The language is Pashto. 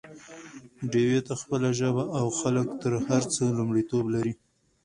ډيوې ته خپله ژبه او خلک تر هر څه لومړيتوب لري